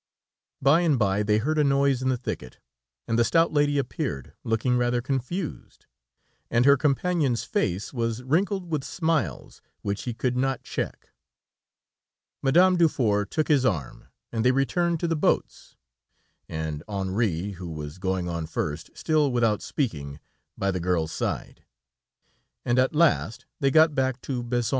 By and bye they heard a noise in a thicket, and the stout lady appeared looking rather confused, and her companion's face was wrinkled with smiles which he could not check. Madame Dufour took his arm, and they returned to the boats, and Henri, who was going on first, still without speaking, by the girl's side, and at last they got back to Bézons.